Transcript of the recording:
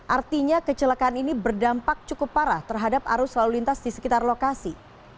artinya kecelakaan ini berdampak cukup parah terhadap arus lalu lintas di sekitar lokasi